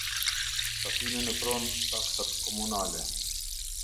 Tatimi në pronë Taksat Komunale.